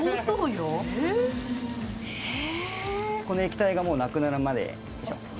この液体がもうなくなるまでよいしょ